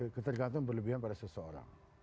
ketergantungan berlebihan pada seseorang